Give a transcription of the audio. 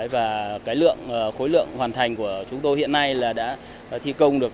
và cái khối lượng hoàn thành của chúng tôi hiện nay là đã thi công được